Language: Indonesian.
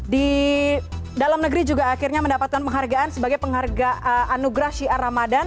di dalam negeri juga akhirnya mendapatkan penghargaan sebagai pengharga anugerah syiar ramadan